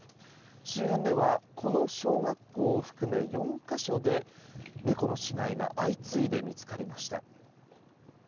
周辺ではこの小学校を含め４か所で猫の死骸が相次いで見つかりました。